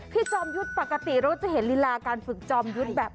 จอมยุทธ์ปกติเราจะเห็นลีลาการฝึกจอมยุทธ์แบบ